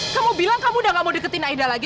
kamu bilang kamu udah gak mau deketin aida lagi